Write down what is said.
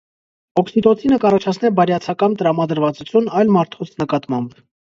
Օքսիտոցինը կ՚առաջացնէ բարեացակամ տրամադրուածութիւն այլ մարդոց նկատմամբ։